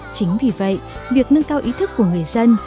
chính vì vậy việc nâng cao ý thức của người dân